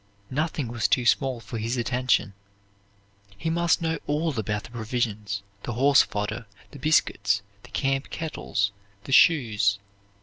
Nothing was too small for his attention. He must know all about the provisions, the horse fodder, the biscuits, the camp kettles, the shoes.